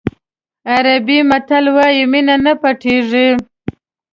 عربي متل وایي مینه نه پټېږي.